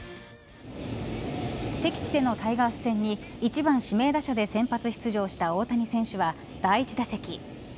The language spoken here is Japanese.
敵地でのタイガース戦に１番指名打者で先発出場した大谷選手は第１打席。